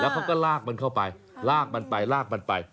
เขาก็ลากมันเข้าไปลากมันไปลากมันไป